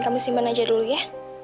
kamu simpan aja dulu ya